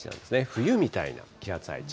冬みたいな気圧配置。